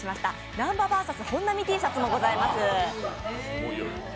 南波ＶＳ本並Ｔシャツもございます。